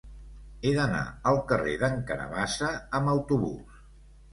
He d'anar al carrer d'en Carabassa amb autobús.